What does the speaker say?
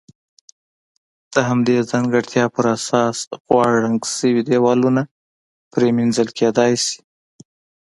د همدغې ځانګړتیا پر اساس غوړ رنګ شوي دېوالونه پرېمنځل کېدای شي.